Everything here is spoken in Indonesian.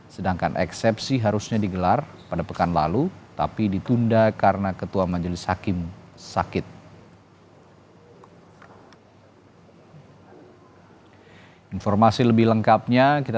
sedangkan eksepsi harusnya digelar pada pekan lalu tapi ditunda karena ketua majelis hakim sakit